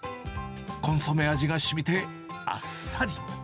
コンソメ味がしみてあっさり。